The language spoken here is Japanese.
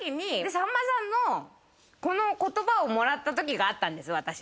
さんまさんのこの言葉をもらったときがあったんです私。